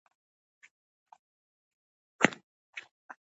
ایا مغز ښه ځواب ورکوي؟